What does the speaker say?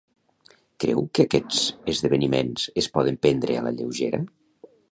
Creu que aquests esdeveniments es poden prendre a la lleugera?